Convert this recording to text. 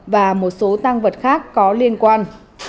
và một số tăng vật khác có liên quan